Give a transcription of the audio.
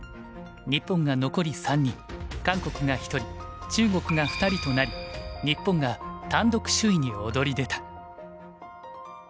日本が残り３人韓国が１人中国が２人となり日本が単独首位に躍り出た。